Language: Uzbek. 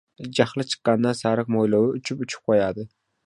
Jahli chiqqanidan sariq mo‘ylovi uchib-uchib qo‘yadi.